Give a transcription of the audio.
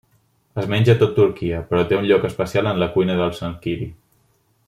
Es menja a tot Turquia, però té un lloc especial en la cuina de Çankırı.